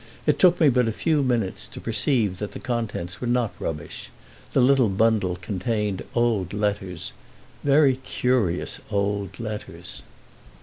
It took me but a few minutes to perceive that the contents were not rubbish; the little bundle contained old letters—very curious old letters."